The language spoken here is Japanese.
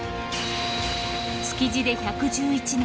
築地で１１１年。